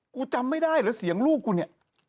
จำไม่ได้เหรอเสียงลูกกูเนี่ย